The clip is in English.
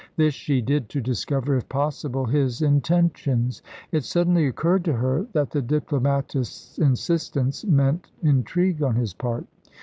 This she did to discover, if possible, his intentions. It suddenly occurred to her, that the diplomatist's insistence meant intrigue on his part.